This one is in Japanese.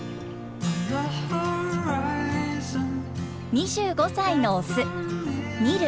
２５歳のオスニル。